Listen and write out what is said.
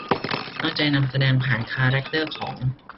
ตั้งใจนำแสดงผ่านคาแรกเตอร์ของ